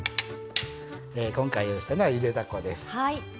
今回用意したのは、ゆでだこです。